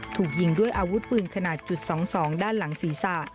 ถูกยิงด้วยอาวุธปืนขนาดจุด๒๒ด้านหลังศีรษะ